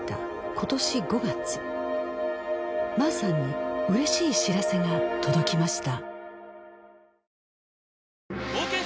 今年５月マーさんにうれしい知らせが届きました